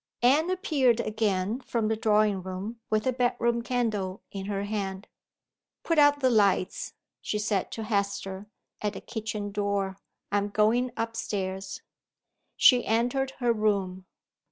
Anne appeared again from the drawing room, with her bedroom candle in her hand. "Put out the lights," she said to Hester, at the kitchen door; "I am going up stairs." She entered her room.